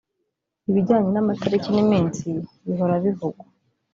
Ibijyanye n’amatariki n’iminsi bihora bivugwa